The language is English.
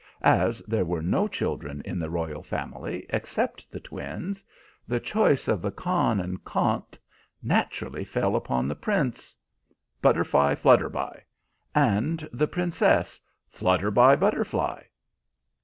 As there were no children in the royal family except the twins, the choice of the Khan and Khant naturally fell upon the Prince " "Butterflyflutterby!" "And the Princess " "Flutterbybutterfly!"